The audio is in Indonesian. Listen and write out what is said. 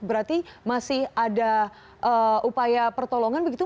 berarti masih ada upaya pertolongan begitu